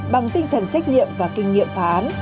bằng tinh thần trách nhiệm và kinh nghiệm phá án